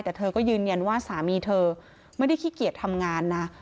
แต่เธอก็ยืนยันว่าสามีเธอไม่ได้ขี้เกียจทำงานนะ